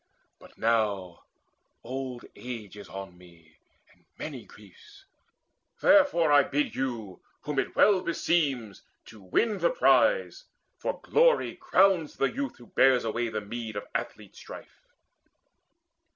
But now old age is on me, and many griefs. Therefore I bid you, whom it well beseems, To win the prize; for glory crowns the youth Who bears away the meed of athlete strife."